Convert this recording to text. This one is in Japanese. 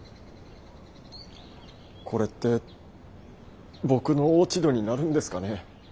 これって僕の落ち度になるんですかね。